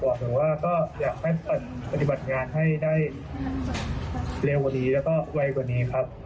ถึงว่าก็อยากให้ปฏิบัติงานให้ได้เร็วกว่านี้แล้วก็ไวกว่านี้ครับ